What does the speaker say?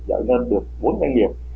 giải ngân được bốn doanh nghiệp